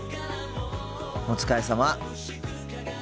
お疲れさま。